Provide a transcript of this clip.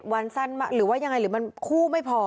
วันสั้นหรือว่ายังไงหรือมันคู่ไม่พอ